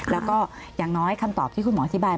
แล้วก็อย่างน้อยคำตอบที่คุณหมออธิบาย